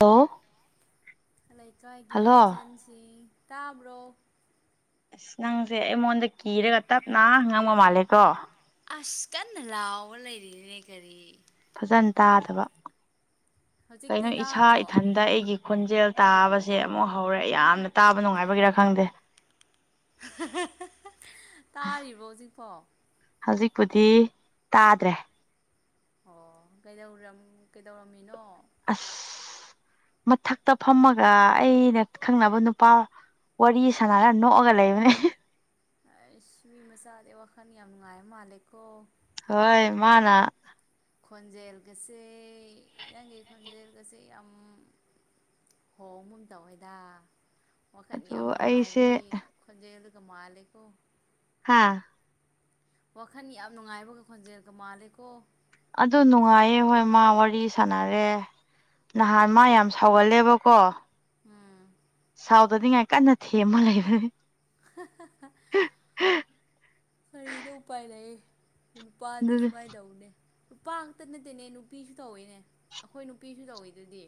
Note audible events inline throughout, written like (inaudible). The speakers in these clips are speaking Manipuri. ꯍꯜꯂꯣ ꯂꯩꯀꯥꯏꯒꯤ ꯍꯜꯂꯣ ꯏꯆꯟꯁꯤꯡ ꯇꯥꯕ꯭ꯔꯣ ꯑꯁ ꯅꯪꯁꯦ ꯑꯩꯉꯣꯟꯗ ꯀꯤꯔꯒ ꯇꯞꯅ ꯉꯪꯕ ꯃꯥꯜꯂꯦꯀꯣ ꯑꯁ ꯀꯟꯅ ꯂꯥꯎꯕ ꯂꯩꯔꯤꯅꯦ ꯀꯔꯤ ꯐꯖꯟ ꯇꯥꯗꯕ ꯍꯧꯖꯤꯛꯇꯤ ꯀꯩꯅꯣ ꯏꯁꯥ ꯇꯥꯔꯕꯣ ꯏꯊꯟꯗ ꯑꯩꯒꯤ ꯈꯣꯟꯖꯦꯜ ꯇꯥꯕꯁꯦ ꯑꯃꯨꯛ ꯍꯧꯔꯦ ꯌꯥꯝꯅ ꯇꯥꯕ ꯅꯨꯡꯉꯥꯏꯕꯒꯤꯔ ꯈꯪꯗꯦ ꯇꯥꯔꯤꯕꯣ ꯍꯧꯖꯤꯛꯄꯣ ꯍꯧꯖꯤꯛꯄꯨꯗꯤ ꯇꯥꯗ꯭ꯔꯦ ꯑꯣ ꯀꯩꯗꯧꯔꯝ ꯀꯩꯗꯧꯔꯝꯃꯤꯅꯣ ꯑꯁ ꯃꯊꯛꯇ ꯐꯝꯃꯒ ꯑꯩꯅ ꯈꯪꯅꯕ ꯅꯨꯄꯥ ꯋꯥꯔꯤ ꯁꯅꯔ ꯅꯣꯛꯑꯒ ꯂꯩꯕꯅꯤ ꯑꯁ ꯃꯤ ꯃꯆꯥꯥꯗꯤ ꯋꯥꯈꯜ ꯌꯥꯝ ꯅꯨꯡꯉꯥꯏ ꯃꯥꯂꯦꯀꯣ ꯍꯣꯏ ꯃꯥꯅ ꯈꯣꯟꯖꯦꯜꯒꯁꯦ ꯅꯪꯒꯤ ꯈꯣꯟꯖꯦꯜꯒꯁꯦ ꯌꯥꯝ ꯍꯣꯡꯕꯒꯨꯝ ꯇꯧꯋꯦꯗ ꯋꯥꯈꯟ ꯑꯗꯨ ꯌꯥꯝ ꯑꯩꯁꯦ ꯅꯨꯡꯉꯥꯏꯕꯒꯤ ꯈꯣꯟꯖꯦꯜꯗꯨꯒ ꯃꯥꯜꯂꯦꯀꯣ ꯍꯥꯥ ꯋꯥꯈꯜ ꯌꯥꯝ ꯅꯨꯡꯉꯥꯏꯕꯒ ꯈꯣꯟꯖꯦꯜꯒ ꯃꯥꯜꯂꯦꯀꯣ ꯑꯗꯨ ꯅꯨꯡꯉꯥꯏꯌꯦ ꯍꯣꯏ ꯃꯥ ꯋꯥꯔꯤ ꯁꯥꯟꯅꯔꯦ ꯅꯍꯥꯟ ꯃꯥ ꯌꯥꯝ ꯁꯥꯎꯒꯜꯂꯦꯕꯀꯣ ꯎꯝ ꯁꯥꯎꯗꯅꯤꯡꯉꯥꯏ ꯀꯟꯅ ꯊꯦꯝꯃ ꯂꯩꯕꯅꯤ ꯀꯔꯤꯗ ꯎꯄꯥꯏ ꯂꯩꯌꯦ ꯅꯨꯄꯥꯗꯤ ꯑꯗꯨꯗꯤ ꯁꯨꯃꯥꯏꯅ ꯇꯧꯎꯅꯦ ꯅꯨꯄꯥ ꯈꯛꯇ ꯅꯠꯇꯦꯅꯦ ꯅꯨꯄꯤꯁꯨ ꯇꯧꯋꯤꯅꯦ ꯑꯩꯈꯣꯏ ꯅꯨꯄꯤꯁꯨ ꯇꯧꯋꯤ ꯑꯗꯨꯗꯤ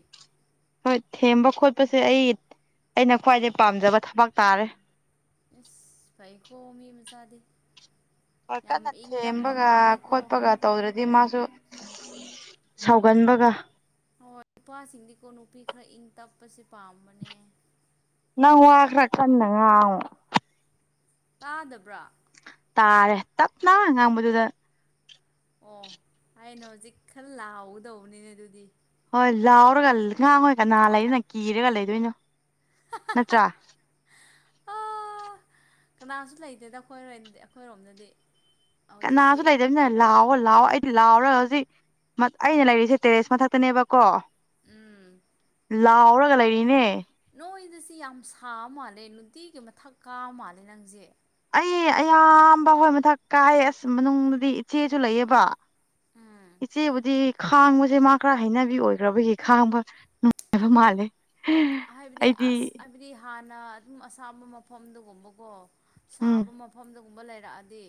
ꯍꯣꯏ ꯊꯦꯝꯕ ꯈꯣꯠꯄꯁꯦ ꯑꯩ ꯑꯩꯅ ꯈ꯭ꯋꯥꯏꯗꯩ ꯄꯥꯝꯖꯕ ꯊꯕꯛ ꯇꯥꯔꯦ ꯑꯦꯁ ꯐꯥꯏ ꯀꯣ ꯃꯤ ꯃꯆꯥꯥꯗꯦ ꯃꯥ ꯀꯟꯅ ꯊꯦꯝꯕꯒ ꯃꯥꯜꯂꯦꯀꯣ ꯈꯣꯠꯄꯒ ꯇꯧꯗ꯭ꯔꯗꯤ ꯃꯥꯁꯨ ꯁꯥꯎꯒꯟꯕꯒ ꯍꯣꯏ ꯅꯨꯄꯥꯁꯤꯡꯗꯤꯀꯣ ꯅꯨꯄꯤ ꯈꯔ ꯏꯪ ꯇꯞꯄꯁꯦ ꯄꯥꯝꯕꯅꯦ ꯅꯪ ꯋꯥ ꯈ꯭ꯔ ꯀꯥꯟꯅ ꯉꯥꯡꯉꯣ ꯑꯥꯎ ꯇꯥꯗꯕ꯭ꯔꯣ ꯇꯥꯔꯦ ꯇꯞꯅ ꯉꯥꯡꯕꯗꯨꯗ ꯑꯣ ꯑꯩꯅ ꯍꯧꯖꯤꯛ ꯈꯔ ꯂꯥꯎ ꯒꯗꯧꯕꯅꯤꯅꯦ ꯑꯗꯨꯗꯤ ꯍꯣꯏ ꯂꯥꯎꯔꯒ ꯉꯥꯡꯉꯣꯏ ꯀꯅꯥ ꯂꯩꯗꯅ ꯀꯤꯔꯒ ꯂꯩꯗꯣꯏꯅꯣ ꯅꯠꯇ꯭ꯔꯥ ꯑꯥ ꯀꯅꯥꯁꯨ ꯂꯩꯇꯦꯗ ꯑꯩꯈꯣꯏ ꯑꯩꯈꯣꯏꯔꯣꯝꯗꯗꯤ ꯀꯅꯥꯁꯨ ꯍꯧꯖꯤꯛꯇꯤ ꯂꯩꯥꯗꯕꯃꯤꯅ ꯂꯥꯛꯑꯣ ꯂꯥꯛꯑꯣ ꯑꯩꯗꯤ ꯂꯥꯎꯑꯣꯔ ꯍꯧꯖꯤꯛ ꯑꯩꯅ ꯂꯩꯔꯤꯁꯦ ꯇꯦꯔꯦꯁ ꯃꯊꯛꯇꯅꯦꯕꯀꯣ ꯎꯝ ꯂꯥꯎꯔꯒ ꯂꯩꯔꯤꯅꯦ ꯅꯣꯏꯗꯁꯤ ꯌꯥꯝ ꯁꯥꯕ ꯃꯥꯜꯂꯦ ꯅꯨꯡꯇꯤꯒꯤ ꯃꯊꯛ ꯀꯥ ꯃꯥꯜꯂꯦ ꯅꯪꯖꯦ ꯑꯩ ꯑꯌꯥꯝꯕ ꯍꯣꯏ ꯃꯊꯛ ꯀꯥꯏ ꯑꯁ ꯃꯅꯨꯡꯗꯗꯤ ꯏꯆꯦꯁꯨ ꯂꯩꯌꯦꯕ ꯎꯝ ꯏꯆꯦꯕꯨꯗꯤ ꯈꯥꯡꯕꯁꯦ ꯃꯥ ꯈꯔ ꯍꯩꯅꯕꯤ ꯑꯣꯏꯈ꯭ꯔꯕꯒꯤ ꯈꯥꯡꯕ ꯅꯨꯡꯉꯥꯏꯕ ꯃꯥꯜꯂꯦ ꯍꯥꯏꯕꯗꯤ ꯑꯩꯗꯤ ꯑꯁ ꯑꯗꯨꯗꯤ ꯍꯥꯟꯅ ꯑꯗꯨꯝ ꯑꯁꯥꯕ ꯃꯐꯝꯗ ꯒꯨꯝꯕꯀꯣ ꯎꯝ ꯁꯥꯕ ꯃꯐꯝꯗ ꯒꯨꯝꯕ ꯂꯩꯔꯛꯑꯗꯤ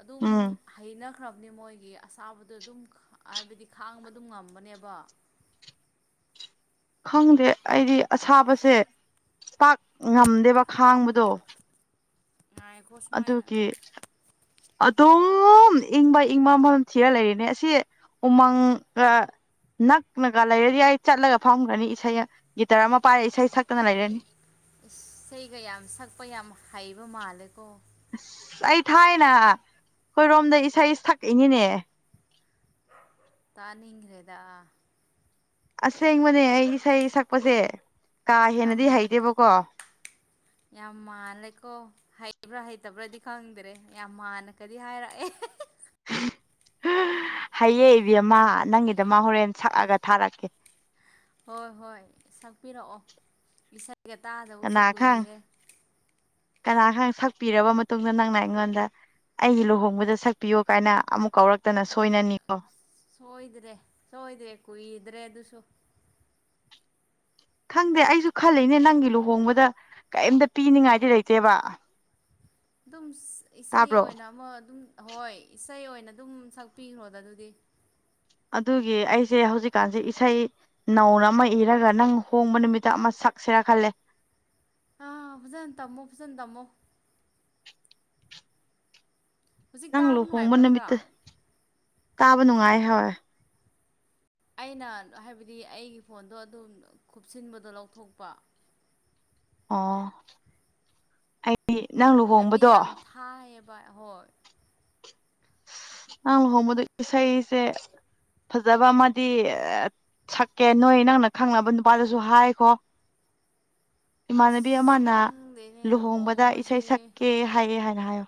ꯑꯗꯨꯝ ꯎꯝ ꯍꯩꯅꯈ꯭ꯔꯕꯅꯤ ꯃꯣꯏꯒꯤ ꯑꯁꯥꯕꯗꯣ ꯑꯗꯨꯝ ꯍꯥꯏꯕꯗꯤ ꯈꯥꯡꯕ ꯑꯗꯨꯝ ꯉꯝꯕꯅꯦꯕ ꯈꯪꯗꯦ ꯑꯩꯗꯤ ꯑꯁꯥꯕꯁꯦ ꯄꯥꯛ ꯉꯝꯗꯦꯕ ꯈꯥꯡꯕꯗꯣ ꯥꯏ ꯑꯗꯨꯒꯤ ꯑꯗꯨꯝ ꯏꯪꯕ ꯏꯪꯕꯝ ꯊꯤꯔ ꯂꯩꯔꯤꯅꯦ ꯑꯁꯤ ꯎꯃꯪ ꯅꯛꯅꯒ ꯂꯩꯔꯗꯤ ꯑꯩ ꯆꯠꯂꯒ ꯐꯝꯒꯅꯤ ꯏꯁꯩ ꯒꯤꯇꯔ ꯑꯃ ꯄꯥꯏꯔꯦ ꯏꯁꯩ ꯁꯛꯇꯅ ꯂꯩꯔꯅꯤ ꯒ ꯌꯥꯝ ꯁꯛꯄ ꯌꯥꯝ ꯍꯩꯕ ꯃꯥꯜꯂꯦꯀꯣ ꯑꯁ ꯑꯩ ꯊꯥꯏꯅ ꯑꯩꯣꯏꯔꯣꯝꯗ ꯏꯁꯩ ꯁꯛꯏꯉꯅꯦ ꯇꯅꯤꯤꯡ ꯍꯗꯥ ꯑꯁꯦꯡꯕꯅꯦ ꯑꯩ ꯏꯁꯩ ꯁꯛꯄꯁꯦ ꯀꯥ ꯌꯥꯝ ꯍꯦꯟꯅꯗꯤ ꯍꯩꯇꯦꯕꯀꯣ ꯌꯥꯝ ꯃꯥꯜꯂꯦꯀꯣ ꯍꯩꯕ꯭ꯔꯥ ꯍꯩꯇꯕ꯭ꯔꯥꯗꯤ ꯈꯪꯗ꯭ꯔꯦ ꯌꯥꯝ ꯃꯥꯥꯟꯜꯅꯒꯗꯤ ꯍꯥꯏꯔꯛꯑꯦ ꯍꯌꯦꯡ ꯏꯕꯦꯝꯃ ꯅꯪꯒꯤꯗ ꯃꯥ ꯍꯣꯔꯦꯟ ꯁꯛꯑꯒ ꯊꯥꯔꯛꯀꯦ ꯍꯣꯏ ꯍꯣꯏ ꯁꯛꯄꯤꯔꯛꯑꯣ ꯏꯁꯩꯒ ꯇꯥꯗꯕꯁꯦ ꯀꯨꯏꯔꯦ ꯀꯅꯥꯒ ꯁꯛꯄꯤꯔꯕ ꯃꯇꯨꯡꯗ ꯅꯪꯅ ꯑꯩꯉꯣꯟꯗ ꯑꯩꯒꯤ ꯂꯨꯍꯣꯡꯕꯗ ꯁꯛꯄꯤꯌꯣ ꯀꯥꯏꯅ ꯑꯃꯨꯛ ꯀꯧꯔꯛꯇꯅ ꯁꯣꯏꯅꯅꯤꯀꯣ ꯁꯣꯏꯗ꯭ꯔꯦ ꯁꯣꯏꯗ꯭ꯔꯦ ꯀꯨꯏꯗ꯭ꯔꯦ ꯑꯗꯨꯁꯨ ꯈꯪꯗꯦ ꯑꯩꯁꯨ ꯈꯜꯂꯤꯅꯦ ꯅꯪꯒꯤ ꯂꯨꯍꯣꯡꯕꯗ ꯀꯩꯝꯇ ꯄꯤꯅꯤꯡꯉꯥꯏꯗꯤ ꯂꯩꯇꯦꯕ ꯑꯗꯨꯝ ꯏꯁꯩ ꯇꯥꯕ꯭ꯔꯣ ꯑꯣꯏꯅ ꯑꯃ ꯑꯗꯨꯝ ꯍꯣꯏ ꯏꯁꯩ ꯑꯣꯏꯅ ꯑꯗꯨꯝ ꯁꯛꯄꯤꯈ꯭ꯔꯣꯗ ꯑꯗꯨꯗꯤ ꯑꯗꯨꯒꯤ ꯑꯩꯁꯦ ꯍꯧꯖꯤꯛꯀꯥꯟꯁꯦ ꯏꯁꯩ ꯅꯧꯅ ꯑꯃ ꯏꯔꯒ ꯅꯪ ꯍꯣꯡꯕ ꯅꯨꯃꯤꯠꯇ ꯑꯃ ꯁꯛꯁꯦꯔꯥ ꯈꯜꯂꯦ ꯑꯥ ꯐꯖꯅ ꯇꯝꯃꯣ ꯐꯖꯅ ꯇꯝꯃꯣ ꯍꯧꯖꯤꯛ ꯅꯪ ꯇꯥꯕ ꯂꯨꯍꯣꯡꯕ ꯅꯨꯡꯉꯥꯏꯕ꯭ꯔꯥ ꯈ꯭ꯔꯥ ꯅꯨꯃꯤꯠꯇ ꯇꯥꯕ ꯅꯨꯡꯉꯥꯏ ꯍꯣꯏꯣꯏ ꯑꯩꯅ ꯍꯥꯏꯕꯗꯤ ꯑꯩꯒꯤ ꯐꯣꯟꯗꯣ ꯑꯗꯨꯝ ꯈꯨꯞꯁꯤꯟꯕꯗꯣ ꯂꯧꯊꯣꯛꯄ ꯑꯣ ꯑꯩꯗꯤ ꯅꯪ ꯂꯨꯍꯣꯡꯕꯗꯣ ꯊꯥꯏꯕ ꯍꯣꯏ ꯅꯪ ꯂꯨꯍꯣꯡꯕꯗ ꯏꯁꯩꯁꯦ ꯐꯖꯕ ꯑꯃꯗꯤ ꯁꯛꯀꯦ ꯅꯣꯏ ꯅꯪꯅ ꯈꯪꯅꯕ ꯅꯨꯄꯥꯗꯁꯨ ꯍꯥꯏꯈꯣ ꯏꯃꯥꯟꯅꯕꯤ ꯑꯁ ꯑꯃꯅ ꯈꯪꯗꯦꯅꯦ ꯂꯨꯍꯣꯡꯕꯗ ꯏꯁꯩ ꯂꯨꯍꯣꯡꯕꯁꯦ ꯁꯛꯀꯦ ꯍꯥꯏꯌꯦ ꯍꯥꯏꯅ ꯍꯥꯏꯌꯣ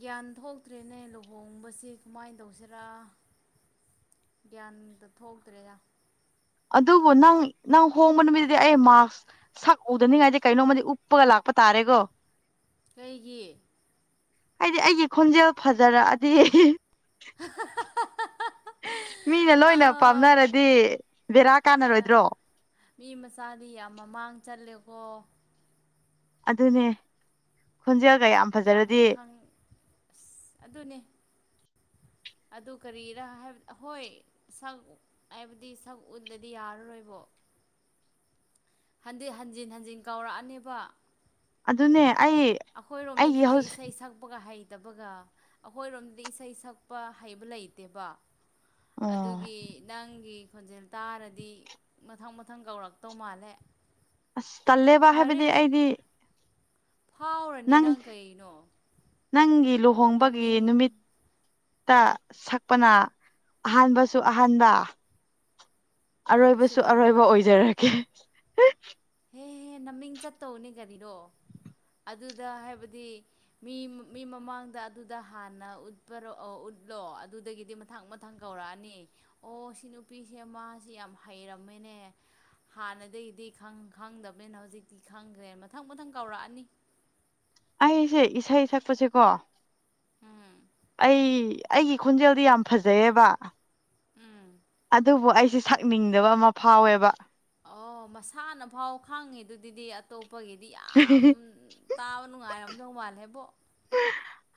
ꯒ꯭ꯌꯥꯟ ꯊꯣꯛꯇ꯭ꯔꯦꯅꯦ ꯂꯨꯍꯣꯡꯕꯁꯤꯦ ꯀꯃꯥꯏꯅ ꯇꯧꯁꯤꯔꯥ ꯒ꯭ꯌꯥꯟꯗ ꯊꯣꯛꯇ꯭ꯔꯦꯔ ꯑꯗꯨꯕꯨ ꯅꯪ ꯅꯪ ꯍꯣꯡꯕ ꯅꯨꯃꯤꯠꯇꯗꯤ ꯑꯩ ꯃꯥꯛꯁ ꯁꯛ ꯎꯗꯅꯤꯡꯉꯥꯏꯗꯤ ꯀꯩꯅꯣꯝꯃꯗꯤ ꯎꯞꯄꯒ ꯂꯥꯛꯄ ꯇꯥꯔꯦꯀꯣ ꯀꯩꯒꯤ ꯍꯥꯏꯗꯤ ꯑꯩꯒꯤ ꯈꯣꯟꯖꯦꯜ ꯐꯖꯔꯛꯑꯗꯤ ꯍꯥ (inaudible) ꯃꯤꯅ ꯂꯣꯏꯅ ꯄꯥꯝꯅꯔꯗꯤ ꯕꯦꯔꯥ ꯑꯦ ꯀꯥꯟꯅꯔꯣꯏꯗ꯭ꯔꯣ ꯃꯤ ꯃꯆꯥꯗꯤ ꯌꯥꯝ ꯃꯃꯥꯡ ꯆꯜꯂꯦꯀꯣ ꯑꯗꯨꯅꯦ ꯈꯣꯟꯖꯒꯌꯥꯝ ꯌꯥꯝ ꯈꯪ ꯑꯁ ꯑꯗꯨꯅꯦ ꯑꯗꯨ ꯀꯔꯤꯔ ꯍꯥꯏꯕ ꯍꯣꯏ ꯑꯩꯕꯨꯗꯤ ꯁꯛ ꯎꯠꯂꯗꯤ ꯌꯥꯔꯔꯣꯏꯕꯣ ꯍꯟꯗꯤ ꯍꯟꯖꯤꯟ ꯍꯟꯖꯤꯟ ꯀꯧꯔꯛꯑꯅꯦꯕ ꯑꯗꯨꯅꯦ ꯑꯩ ꯑꯩꯒꯤ ꯑꯩꯈꯣꯏꯔꯣꯝꯗꯒꯤꯗꯤ ꯍꯧꯖꯤꯛ ꯏꯁꯩ ꯁꯛꯄꯒ ꯍꯩ ꯠꯇꯕꯒ ꯑꯩꯈꯣꯏꯔꯣꯝꯗꯗꯤ ꯏꯁꯩ ꯁꯛꯄ ꯍꯩꯕ ꯂꯩꯇꯦꯕ ꯑꯣ ꯑꯗꯨꯒꯤ ꯅꯪꯒꯤ ꯈꯣꯟꯖꯦꯜ ꯇꯥꯔꯗꯤ ꯃꯊꯪ ꯃꯊꯪ ꯀꯧꯔꯛꯇꯧ ꯃꯥꯜꯂꯦ ꯑꯁ ꯇꯜꯂꯦꯕ ꯐꯔꯦ ꯍꯥꯏꯕꯗꯤ ꯑꯗꯨ ꯑꯩꯗꯤ ꯐꯥꯎꯔꯅꯤ ꯅꯪ ꯀꯩꯅꯣ ꯅꯪꯒꯤ ꯂꯨꯍꯣꯡꯕꯒꯤ ꯃꯃꯤꯡ ꯅꯨꯃꯤꯠ ꯇ ꯁꯛꯄꯅ ꯑꯍꯥꯟꯕꯁꯨ ꯑꯍꯥꯟꯕ ꯂꯣꯏꯕꯁꯨ ꯑꯔꯣꯏꯕꯁꯨ ꯂꯣꯏꯕ ꯑꯔꯣꯏꯕ ꯑꯣꯏꯖꯔꯒꯦ ꯍꯦꯍꯦ ꯅꯃꯤꯡ ꯆꯠꯇꯧꯅꯦ ꯀꯔꯤꯅꯣ ꯑꯗꯨꯗ ꯍꯥꯏꯕꯗꯤ ꯃꯤ ꯃꯤ ꯃꯃꯥꯡꯗ ꯑꯗꯨꯗ ꯍꯥꯟꯅ ꯎꯠꯄꯔꯣ ꯑꯧ ꯎꯠꯂꯣ ꯑꯗꯨꯗꯒꯤꯗꯤ ꯃ__ ꯃꯊꯪ ꯃꯊꯪ ꯀꯧꯔꯛꯑꯅꯤ ꯑꯣ ꯁꯤ ꯅꯨꯄꯤꯁꯦ ꯃꯥꯁꯦ ꯌꯥꯝ ꯍꯩꯔꯝꯃꯦꯅꯦ ꯍꯥꯟꯅꯗꯒꯤꯗꯤ ꯈꯪ ꯈꯪꯗꯕꯅꯤꯅ ꯍꯧꯖꯤꯛꯇꯤ ꯈꯪꯈ꯭ꯔꯦꯅ ꯃꯊꯪ ꯃꯊꯪ ꯀꯧꯔꯛꯑꯅꯤ ꯑꯩꯁꯦ ꯏꯁꯩ ꯁꯛꯄꯁꯦꯀꯣ ꯎꯝ ꯑꯩ ꯑꯩꯒꯤ ꯈꯣꯟꯖꯦꯜꯗꯤ ꯌꯥꯝ ꯐꯖꯩꯌꯦꯕ ꯎꯝ ꯑꯗꯨꯕꯨ ꯑꯩꯁꯦ__ ꯁꯛꯅꯤꯡꯗꯕ ꯑꯃ ꯐꯥꯎꯋꯦꯕ ꯑꯣ ꯃꯁꯥꯅ ꯐꯥꯎ ꯈꯥꯡꯉꯤ ꯗꯨꯗꯗꯤ ꯑꯇꯣꯞ__ ꯄꯒꯤꯗꯤ ꯌꯥꯝ ꯇꯥꯕ ꯅꯨꯡꯉꯥꯏꯔꯝꯗꯧ ꯃꯥꯜꯂꯦꯕꯣ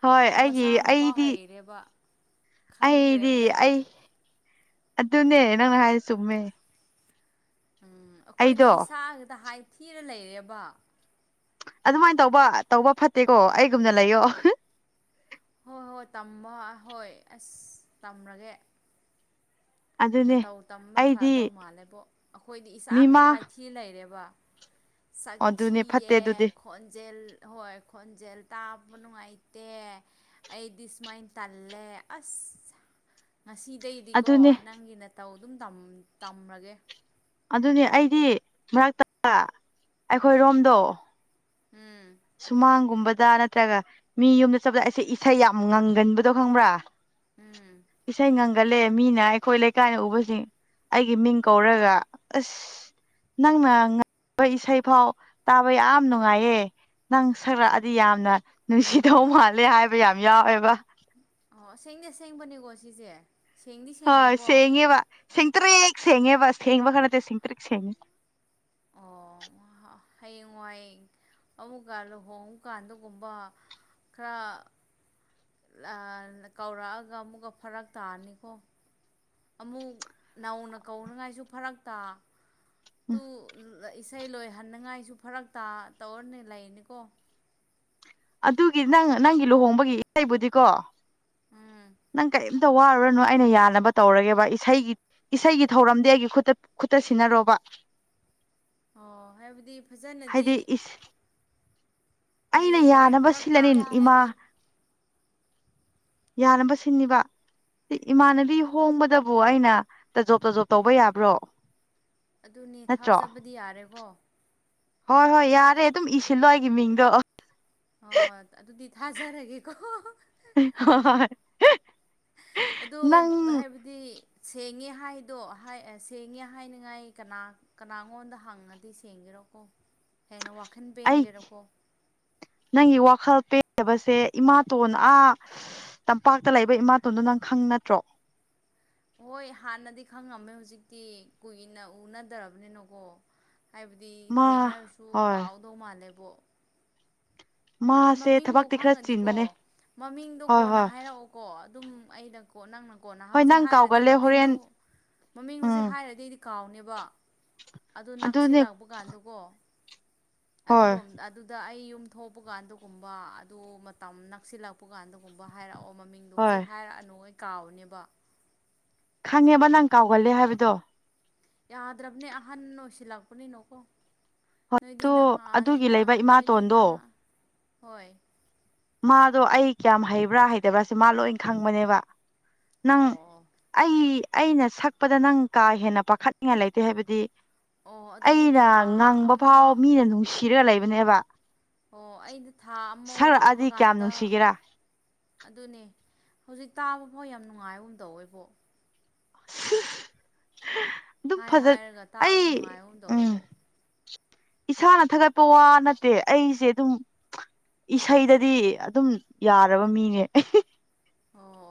ꯍꯣꯏ ꯑꯩꯒꯤ ꯃꯁꯥꯅ ꯐꯥꯎ ꯑꯩꯗꯤ ꯍꯩꯔꯦꯕ ꯈꯪꯈ꯭ꯔꯦ ꯑꯩꯗꯤ ꯐꯖꯅ ꯑꯩ ꯑꯗꯨꯅꯦ ꯅꯪꯅ ꯍꯥꯏꯖꯦ ꯆꯨꯝꯃꯦ ꯎꯝ ꯑꯩꯈꯣꯏꯗꯤ ꯑꯩꯗꯣ ꯏꯁꯥ ꯈꯇ ꯍꯥꯏꯊꯤꯔ ꯂꯩꯔꯦꯕ ꯑꯗꯨꯃꯥꯏꯅ ꯇꯧꯕ ꯇꯧꯕ ꯐꯠꯇꯦꯀꯣ ꯑꯩꯒꯨꯝꯅ ꯂꯩꯌꯣ (unintelligible) ꯍꯣꯏ ꯍꯣꯏ ꯇꯝꯕ ꯍꯣꯏ ꯑꯁ ꯇꯝꯔꯒꯦ ꯑꯗꯨꯅꯦ ꯅꯇꯧ ꯇꯝꯕ ꯑꯩꯗꯤ ꯐꯗꯧ ꯃꯥꯜꯂꯦꯕꯣ ꯑꯩꯈꯣꯏꯗꯤ ꯏꯁꯥ ꯈꯇ ꯃꯤꯃꯥ ꯍꯥꯏꯊꯤꯔ ꯂꯩꯔꯦꯕ ꯁꯛ ꯑꯗꯨꯅꯦ ꯐꯠꯇꯦ ꯊꯤꯌꯦ ꯑꯗꯨꯗꯤ ꯈꯣ__ ꯈꯣꯟꯖꯦꯜ ꯍꯣꯏ ꯈꯣꯟꯖꯦꯜ ꯇꯥꯕ ꯅꯨꯡꯉꯥꯏꯇꯦ ꯑꯩꯗꯤ ꯁꯨꯃꯥꯏꯅ ꯇꯜꯂꯦ ꯑꯁ ꯉꯁꯤꯗꯩꯗꯤꯀꯣ ꯑꯗꯨꯅꯦ ꯅꯪꯒꯤ ꯅꯇꯧ ꯑꯗꯨꯝ ꯇꯝ ꯇꯝꯔꯒꯦ ꯑꯗꯨꯅꯤ ꯑꯩꯗꯤ ꯃꯔꯛꯇ ꯒ ꯑꯩꯈꯣꯏꯔꯣꯝꯗꯣ ꯎꯝ ꯁꯨꯃꯥꯡꯒꯨꯝꯕꯗ ꯅꯠꯇ꯭ꯔꯒ ꯃꯤ ꯌꯨꯝꯗ ꯆꯠꯄꯗ ꯑꯩꯁꯦ ꯏꯁꯩ ꯌꯥꯝ ꯉꯪꯒꯟꯕꯗꯣ ꯈꯪꯕ꯭ꯔꯥ ꯎꯝ ꯏꯁꯩꯥ ꯉꯪ ꯒꯂꯦ ꯃꯤꯅ ꯑꯩꯈꯣꯏ ꯂꯩꯀꯥꯏꯅ ꯎꯕꯁꯤꯡ ꯑꯩꯒꯤ ꯃꯤꯡ ꯀꯧꯔꯒ ꯑꯁ ꯅꯪꯅ ꯉꯪꯕ ꯏꯁꯩ ꯐꯥꯎ ꯇꯥꯕ ꯌꯥꯝ ꯅꯨꯡꯉꯥꯏꯌꯦ ꯅꯪ ꯁꯔꯛꯑꯗꯤ ꯌꯥꯝꯅ ꯅꯨꯡꯁꯤꯗꯧ ꯃꯥꯜꯂꯦ ꯍꯥꯏꯕ ꯌꯥꯝ ꯌꯥꯎꯋꯦꯕ ꯑꯣ ꯑꯁꯦꯡꯗꯤ ꯑꯁꯦꯡꯕꯅꯦꯀꯣ ꯁꯤꯁꯦ ꯁꯦꯡꯗꯤ ꯍꯣꯏ ꯁꯦꯡꯉꯦꯀꯣ ꯁꯦꯡꯉꯦꯕ ꯁꯦꯡꯇ꯭ꯔꯤꯛ ꯁꯦꯡꯉꯦꯕ ꯁꯦꯡꯕꯒ ꯅꯠꯇꯦ ꯁꯦꯡꯇ꯭ꯔꯤꯛ ꯁꯦꯡꯉꯦ ꯑꯣ (unintelligible) ꯍꯌꯦꯡ ꯋꯥꯏꯡ ꯑꯃꯨꯛꯀ ꯂꯨꯍꯣꯡꯉꯨ ꯀꯥꯟꯗꯒꯨꯝꯕ ꯈꯔ (unintelligible) ꯀꯧꯔꯛꯑꯒ ꯑꯃꯨꯛꯀ ꯐꯔꯛ ꯇꯥꯅꯤꯀꯣ ꯑꯃꯨꯛ ꯅꯧꯅ ꯀꯧꯅꯤꯡꯉꯥꯏꯁꯨ ꯐꯔꯛꯇꯥ ꯎꯝ ꯇꯨ ꯂ ꯏꯁꯩ ꯂꯣꯏꯍꯟꯅꯤꯡꯉꯥꯏꯁꯨ ꯐꯔꯛ ꯇꯥ ꯇꯧꯔꯅꯤ ꯂꯩꯔꯅꯤꯀꯣ ꯑꯗꯨꯒꯤ ꯅꯪ ꯅꯪꯒꯤ ꯂꯨꯍꯣꯡꯕꯒꯤ ꯏꯁꯩꯕꯨꯗꯤꯀꯣ ꯎꯝ ꯅꯪ ꯀꯩꯝ__ ꯇ ꯋꯥꯔꯨꯔꯅꯨ ꯑꯩꯅ ꯌꯥꯅꯕ ꯇꯧꯔꯒꯦꯕ ꯏꯁꯩꯒꯤ ꯏꯁꯩꯒꯤ ꯊꯧꯔꯝꯗꯤ ꯑꯩꯒꯤ ꯈꯨꯠꯇ ꯈꯨꯠꯇ ꯁꯤꯟꯅꯔꯣꯕ ꯑꯣ ꯍꯥꯏꯕꯗꯤ ꯐꯖꯅꯗꯤ ꯍꯥꯏꯗꯤ ꯑꯩꯅ ꯍꯌꯦꯡꯋꯥꯏ ꯌꯥꯅꯕ ꯐꯔꯛ ꯁꯤꯜꯂꯅꯤ ꯇꯥꯒꯅꯤ (unintelligible) ꯏꯃꯥ ꯑꯗꯨ ꯌꯥꯅꯕ ꯁꯤꯟꯅꯤꯕ ꯏꯃꯥꯟꯅꯕꯤ ꯍꯣꯡꯕꯗꯕꯨ ꯑꯩꯅ ꯇꯖꯣꯞ ꯇꯖꯣꯞ ꯇꯧꯕ ꯌꯥꯕ꯭ꯔꯣ ꯑꯗꯨꯅꯦ ꯅꯠꯇ꯭ꯔꯣ ꯊꯥꯖꯕꯗꯤ ꯌꯥꯔꯦꯀꯣ ꯍꯣꯏ ꯍꯣꯏ ꯌꯥꯔꯦ ꯑꯗꯨꯝ ꯏꯁꯤꯜꯂꯣ ꯑꯩꯒꯤ ꯃꯤꯡꯗꯣ ꯍꯣꯏ ꯍꯣꯏ ꯑꯗꯨꯗꯤ ꯊꯥꯖꯔꯒꯦꯀꯣ (unintelligible) ꯍꯣꯏ ꯍꯣꯏ (unintelligible) ꯑꯗꯣ ꯅꯪ ꯍꯥꯏꯕꯗꯤ ꯗꯤ ꯁꯦꯡꯉꯦ ꯍꯥꯏꯗꯣ ꯁꯦꯡꯉꯦ ꯍꯥꯏꯅꯤꯡꯉꯥꯏ ꯀꯅꯥ ꯀꯅꯥꯉꯣꯟꯗ ꯍꯪꯉꯗꯤ ꯁꯦꯡꯒꯦꯔꯀꯣ ꯍꯦꯟꯅ ꯋꯥꯈꯟ ꯑꯩ ꯄꯦꯟꯒꯦꯔꯀꯣ꯫ ꯅꯪꯒꯤ ꯋꯥꯈꯜ ꯄꯦꯟꯗꯕꯁꯦ ꯏꯃꯥꯇꯣꯟ ꯑꯥ ꯇꯝꯄꯥꯛꯇ ꯂꯩꯕ ꯏꯃꯥꯇꯣꯟꯗꯨ ꯅꯪ ꯈꯪ ꯅꯠꯇ꯭ꯔꯣ꯫ ꯍꯣꯏ ꯍꯥꯟꯅꯗꯤ ꯈꯪꯉꯝꯃꯦ ꯍꯧꯖꯤꯛꯇꯤ ꯀꯨꯏꯅ ꯎꯅꯗ꯭ꯔꯔꯕꯅꯤꯅꯀꯣ꯫ ꯍꯥꯏꯕꯗꯤ ꯃꯥ ꯊꯦꯡꯅꯔꯁꯨ ꯍꯣꯏ ꯀꯥꯎꯗꯧ ꯃꯥꯜꯂꯦꯕꯣ꯫ ꯍꯣꯏ ꯃꯥꯁꯦ ꯃꯃꯤꯡꯕꯨ ꯊꯕꯛꯇꯤ ꯈꯔ ꯈꯪꯉꯗꯤꯀꯣ ꯆꯤꯟꯕꯅꯦ ꯃꯃꯤꯡꯗꯣ ꯍꯣꯏ ꯀꯣꯟꯅ ꯍꯣꯏ ꯍꯥꯏꯔꯛꯑꯣꯀꯣ ꯑꯗꯨꯝ ꯑꯩꯩꯅ ꯀꯣ ꯅꯪꯅꯀꯣ ꯅꯍꯥꯟ ꯍꯣꯏ ꯍꯧꯖꯤꯛ ꯅꯪ ꯍꯥꯏꯔꯗꯤ ꯀꯥꯎꯒꯜꯂꯦ ꯃꯃꯤꯡꯗꯨ ꯍꯣꯔꯦꯟ ꯃꯃꯤꯡ ꯎꯝ ꯍꯧꯖꯤꯛ ꯍꯥꯏꯔꯗꯤ ꯀꯥꯎꯅꯦꯕ ꯑꯗꯨꯗ ꯑꯗꯨꯅꯦ ꯅꯛꯁꯤꯂꯥꯛꯄ ꯀꯥꯟꯗꯀꯣ꯫ ꯍꯣꯏ ꯑꯗꯨꯔꯣꯝ ꯑꯗꯨꯗ ꯑꯩ ꯌꯨꯝ ꯊꯣꯛꯄ ꯀꯥꯟꯗꯨꯒꯨꯝꯕ ꯑꯗꯨ ꯃꯇꯝ ꯅꯛꯁꯤꯜꯂꯛꯄ ꯀꯥꯟꯗ ꯀꯨꯨꯝꯕ ꯍꯥꯏꯔꯛꯑꯣ ꯃꯃꯤꯡꯗꯣ ꯍꯣꯏ ꯍꯧꯖꯤꯛ ꯍꯥꯏꯔꯛꯑꯅꯨ ꯑꯩ ꯀꯥꯎꯕꯅꯦꯕ꯫ ꯈꯪꯉꯦꯕ ꯅꯪ ꯀꯥꯎꯒꯜꯂꯦ ꯍꯥꯏꯕꯗꯣ꯫ ꯌꯥꯗ꯭ꯔꯕꯅꯦ ꯑꯍꯟ ꯑꯣꯏꯁꯤꯜꯂꯛꯄꯅꯤꯅꯣꯀꯣ꯫ ꯅꯣꯏꯗꯤ ꯑꯗꯣ ꯅꯍꯥꯟ ꯑꯗꯨꯒꯤ ꯅꯍ ꯂꯩꯕ ꯅꯣꯏꯗꯤ ꯏꯃꯥꯇꯣꯟꯗꯣ ꯅꯍꯥ ꯍꯣꯏ꯫ ꯃꯥꯗꯣ ꯑꯩ ꯀꯌꯥꯝ ꯍꯩꯕ꯭ꯔꯥ ꯍꯩꯇꯕ꯭ꯔꯥꯁꯦ ꯃꯥ ꯂꯣꯏ ꯈꯪꯕꯅꯦꯕ ꯅꯪ ꯑꯣ ꯑꯩ ꯑꯩꯅ ꯁꯛꯄꯗ ꯅꯪ ꯀꯥ ꯍꯦꯟꯅ ꯄꯥꯈꯠꯅꯤꯉꯥꯏ ꯂꯩꯇꯦ ꯍꯥꯏꯕꯗꯤ꯫ ꯑꯣ ꯑꯗꯨꯗꯤ ꯑꯩꯅ ꯊꯥ ꯉꯪꯕ ꯑꯃ ꯐꯥꯎ ꯃꯤꯅ ꯅꯨꯡꯁꯤꯔꯒ ꯂꯩꯕꯅꯦꯕ꯫ ꯑꯣ ꯑꯩꯗꯨ ꯊꯥ ꯑꯃ ꯋꯥꯠꯄ ꯁꯛꯔꯛꯑꯗꯤ ꯀꯌꯥꯝ ꯀꯥꯟꯗ ꯅꯨꯡꯁꯤꯒꯦꯔꯥ ꯑꯗꯨꯅꯦ ꯍꯧꯖꯤꯛ ꯇꯥꯕꯐꯥꯎ ꯌꯥꯝ ꯅꯨꯡꯉꯥꯏꯒꯨꯝ ꯇꯧꯋꯦꯀꯣ꯫ ꯑꯗꯨ ꯍꯥꯏ ꯐꯖ ꯍꯥꯏꯔꯒ ꯇꯥꯕ ꯑꯩ ꯅꯨꯡꯉꯥꯏꯕꯒꯨꯝ ꯎꯝ꯫ ꯇꯧꯋꯦꯕꯣ ꯏꯁꯥꯅ ꯊꯥꯒꯠꯄ ꯋꯥ ꯅꯠꯇꯦ ꯑꯩꯁꯦ ꯑꯗꯨꯝ ꯏꯁꯩꯗꯗꯤ ꯑꯗꯨꯝ ꯌꯥꯔꯕ ꯃꯤꯅꯦ꯫ ꯑꯣ꯫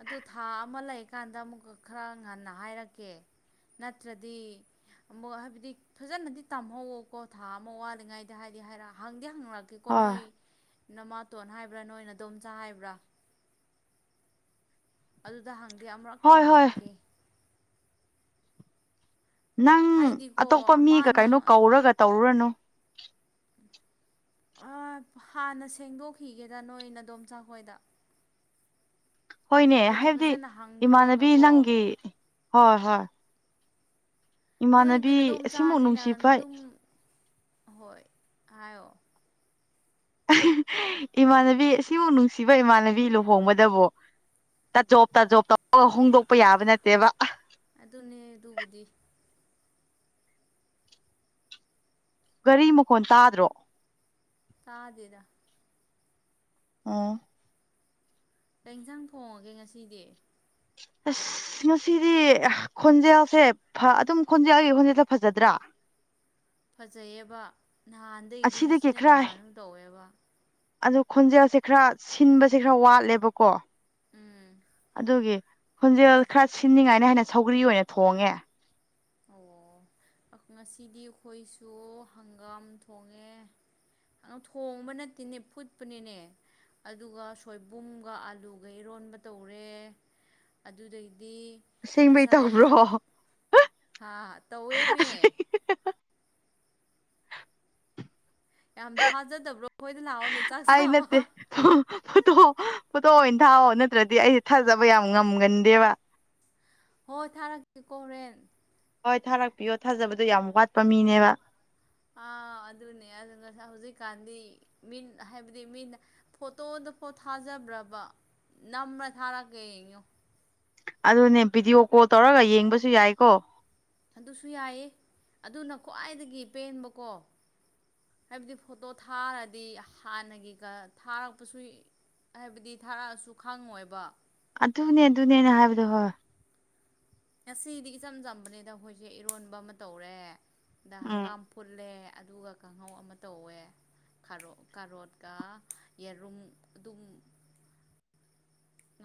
ꯑꯗꯨ ꯊꯥ ꯑꯃ ꯂꯩꯀꯥꯟꯗ ꯑꯃꯨꯛꯀ ꯈꯔ ꯉꯟꯅ ꯍꯥꯏꯔꯛꯀꯦ ꯅꯠꯇ꯭ꯔꯗꯤ꯫ ꯑꯃꯨꯛ ꯍꯥꯏꯕꯗꯤ ꯐꯖꯅꯗꯤ ꯇꯝꯍꯧꯋꯣꯀꯣ ꯊꯥ ꯑꯃ ꯋꯥꯠꯂꯤꯉꯥꯏꯗ ꯍꯥꯏꯗꯤ ꯍꯥꯏꯔ ꯍꯪꯗꯤ ꯍꯪꯂꯛ ꯀꯤꯀꯣ ꯍꯣꯏ ꯅꯣꯏ ꯅꯃꯥꯇꯣꯟ ꯍꯥꯏꯕ꯭ꯔꯥ ꯅꯣꯏ ꯅꯗꯣꯝꯆꯥ ꯍꯥꯏꯕ꯭ꯔꯥ꯫ ꯑꯗꯨꯗ ꯍꯥꯡꯗꯤ ꯑꯃꯨꯨꯔꯛꯇꯤ ꯍꯣꯏ ꯍꯣꯏ ꯍꯥꯡꯂꯛꯀꯦ꯫ ꯅꯪ ꯍꯥꯏꯗꯤꯀꯣ ꯑꯇꯣꯞꯄ ꯃꯤꯒ ꯃꯥꯅ ꯀꯩꯅꯣ ꯀꯧꯔꯒ ꯇꯧꯔꯨꯔꯅꯨ꯫ ꯑꯥ ꯍꯥꯟꯅ ꯁꯦꯡꯗꯣꯛꯈꯤꯒꯦꯗ ꯅꯣꯏ ꯅꯗꯣꯝꯆꯥꯥꯛꯈꯣꯏꯗ꯫ (inaudible) ꯍꯣꯏꯅꯦ ꯍꯥꯏꯗꯤ ꯍꯥꯏꯕꯗꯤ ꯐꯖꯅ ꯏꯃꯥꯟꯅꯕꯤ ꯍꯥꯡꯗꯣꯛꯑꯒꯀꯣ ꯅꯪꯒꯤ ꯍꯣꯏ ꯍꯣꯏ꯫ ꯅꯣꯏꯗꯤ ꯏꯃꯥꯟꯅꯕꯤ ꯑꯁꯤꯃꯨꯛ ꯅꯗꯣꯝꯆꯥꯅꯤꯅ ꯅꯨꯡꯁꯤꯕ ꯑꯗꯨꯝ ꯍꯣꯏ ꯍꯥꯏꯌꯑꯣ꯫ ꯏꯃꯥꯟꯅꯕꯤ ꯑꯁꯤꯕꯨ ꯅꯨꯡꯁꯤꯕ ꯏꯃꯥꯟꯅꯕꯤ ꯂꯨꯍꯣꯡꯕꯗꯕꯣ꯫ ꯇ ꯖꯣꯕ ꯇꯥ ꯖꯣꯕ ꯇꯧꯔꯒ ꯍꯣꯡꯗꯣꯛꯄ ꯌꯥꯕ ꯅꯠꯇꯦꯕ꯫ ꯑꯗꯨꯅꯦ ꯑꯗꯨꯕꯨꯗꯤ꯫ ꯒꯥꯔꯤ ꯃꯈꯣꯟ ꯇꯥꯗ꯭ꯔꯣ꯫ ꯇꯥꯗꯦꯗ꫰꫰ ꯑꯣ꯫ ꯀꯩ ꯌꯦꯟꯁꯥꯡ ꯊꯣꯡꯉꯒꯦ ꯉꯁꯤꯗꯤ꯫ ꯑꯁ꯫ ꯑꯁ ꯉꯁꯤꯗꯤ ꯈꯣꯟꯖꯦꯜꯁꯦ ꯑꯗꯨꯝ ꯈꯣꯟꯖꯦꯜ ꯑꯩꯒꯤ ꯈꯣꯟꯖꯦꯜꯁꯦ ꯐꯖꯗ꯭ꯔꯥ꯫ ꯐꯖꯩꯌꯦꯕ ꯅꯍꯥꯟꯗꯒꯤꯗꯤ ꯑꯁꯤꯗꯒꯤ ꯉꯁꯤꯅ ꯈꯔ ꯇꯣꯉꯥꯟꯒꯨꯝ ꯇꯧꯋꯦꯕ꯫ ꯑꯗꯨ ꯈꯣꯟꯖꯦꯜꯁꯦ ꯈꯔ ꯁꯤꯟꯕꯁꯦ ꯈꯔ ꯋꯥꯠꯂꯦꯠꯕꯀꯣ꯫ ꯎꯝ ꯑꯗꯨꯒꯤ ꯈꯣꯟꯖꯦꯜ ꯈꯔ ꯁꯤꯟꯅꯤꯡꯉꯥꯏꯅ ꯍꯥꯏꯟꯅ ꯁꯧꯒ꯭ꯔꯤ ꯑꯣꯏꯅ ꯊꯣꯡꯉꯦ꯫ ꯑꯣ ꯉꯁꯤꯗꯤ ꯑꯩꯈꯣꯏꯁꯨ ꯍꯪꯒꯥꯝ ꯊꯣꯡꯉꯦ꯫ ꯑꯗꯣ ꯊꯣꯡꯕ ꯅꯠꯇꯦꯅꯦ ꯐꯨꯠꯄꯅꯤꯅꯦ꯫ ꯑꯗꯨꯒ ꯁꯣꯏꯕꯨꯝꯒ ꯑꯥꯂꯨꯒ ꯏꯔꯣꯟꯕ ꯇꯧꯔꯦ꯫ ꯑꯗꯨꯗꯩꯗꯤ꯫ ꯑꯁꯦꯡꯕꯩ ꯇꯧꯕ꯭ꯔꯣ꯫ ꯍꯥꯥ ꯇꯋꯦꯃꯦ ꯌꯥꯝ ꯊꯥꯖꯗꯕ꯭ꯔꯣ ꯑꯩꯈꯣꯏꯗ ꯂꯥꯛꯑꯣꯅꯦ ꯆꯥꯛ ꯆꯥꯕ ꯣꯇꯣ ꯐꯣꯇꯣ ꯑꯣꯏꯅ ꯊꯥꯛꯑꯣ ꯅꯠꯇ꯭ꯔꯗꯤ ꯑꯩꯁꯦ ꯊꯥꯖꯕ ꯌꯥꯝ ꯉꯝꯒꯟꯗꯦꯕ ꯍꯣꯏ ꯊꯥꯔꯛꯀꯦꯀꯣ ꯍꯣꯔꯦꯟ ꯍꯣꯏ ꯊꯥꯔꯛꯄꯤꯌꯣ ꯊꯥꯖꯕꯗꯣ ꯌꯥꯝ ꯋꯥꯠꯄ ꯃꯤꯅꯦꯕ ꯑꯥ ꯑꯗꯨꯅꯦ ꯑꯗꯨ ꯉꯁꯥꯏ ꯍꯧꯖꯤꯛꯀꯥꯟꯗꯤ ꯃꯤ ꯍꯥꯏꯕꯗꯤ ꯃꯤꯅ ꯐꯣꯇꯣꯗꯐꯣ ꯊꯥꯖꯕ꯭ꯔꯕ ꯅꯝꯝꯕ꯭ꯔꯥ ꯊꯥꯔꯛꯀꯦ ꯌꯦꯡꯉꯣ ꯑꯗꯨꯅꯦ ꯚꯤꯗꯤꯑꯣ ꯀꯣꯜ ꯇꯧꯔꯒ ꯌꯦꯡꯕꯁꯨ ꯌꯥꯏꯀꯣ ꯑꯗꯨꯁꯨ ꯌꯥꯏꯌꯦ ꯑꯗꯨꯅ ꯈ꯭ꯋꯥꯏꯗꯒꯤ ꯄꯦꯟꯕꯀꯣ ꯍꯥꯏꯕꯗꯤ ꯐꯣꯇꯣ ꯊꯥꯔꯗꯤ ꯍꯥꯟꯅꯒꯤꯒ ꯊꯥꯔꯛꯄꯁꯨ ꯍꯥꯏꯕꯗꯤ ꯊꯥꯔꯛꯑꯁꯨ ꯈꯥꯡꯉꯣꯏꯕ ꯑꯗꯨꯅꯦ ꯑꯗꯨꯅꯦꯅꯦ ꯍꯥꯏꯕꯗꯣ ꯍꯣꯏ ꯉꯁꯤꯗꯤ ꯏꯆꯝ ꯆꯝꯕꯅꯤꯗ ꯑꯩꯈꯣꯏꯁꯦ ꯏꯔꯣꯟꯕ ꯑꯃ ꯇꯧꯔꯦꯗ ꯎꯝ ꯍꯪꯒꯥꯝ ꯐꯨꯜꯂꯦ ꯑꯗꯨꯒ ꯀꯥꯡꯍꯧ ꯑꯃ ꯇꯧꯋꯦ ꯥꯔ ꯀꯥꯔꯣꯠꯀ ꯌꯦꯔꯨꯝ ꯑꯗꯨꯝ